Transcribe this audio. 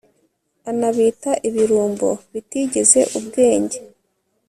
anabita ibirumbo bitigeze ubwenge